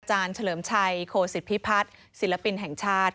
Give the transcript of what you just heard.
อาจารย์เฉลิมชัยโคศิภิพัฒน์ศิลปินแห่งชาติ